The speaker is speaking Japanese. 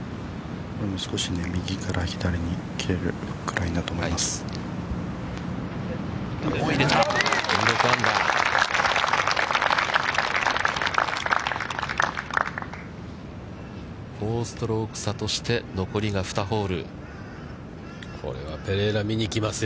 ◆少し右から左に切れるくらいだと思います。